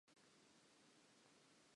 O ne a natefelwa ke ho bapala dipapadi?